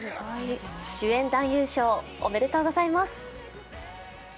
主演男優賞おめでとうございます。